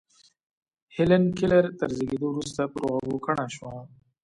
هېلېن کېلر تر زېږېدو وروسته پر غوږو کڼه شوه.